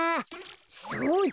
そうだ。